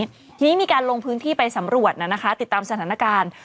ทีนี้มีการลงพื้นที่ไปสำรวจนะคะติดตามสถานการณ์